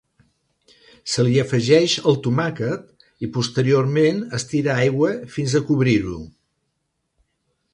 Se li afegeix el tomàquet i posteriorment es tira aigua fins a cobrir-ho.